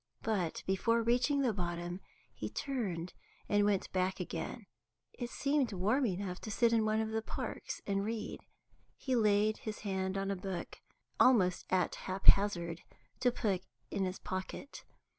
But, before reaching the bottom, he turned and went back again. It seemed warm enough to sit in one of the parks and read. He laid his hand on a book, almost at haphazard, to put in his pocket.